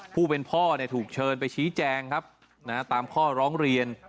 ผู้เป็นพ่อถูกเชิญไปชี้แจงครับตามข้อร้องเรียน